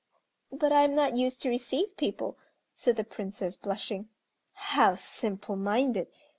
"But I am not used to receive people," said the Princess, blushing. "How simple minded!"